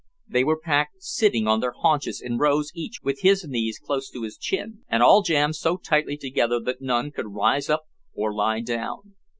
They were packed sitting on their haunches in rows each with his knees close to his chin, and all jammed so tightly together that none could rise up or lie down.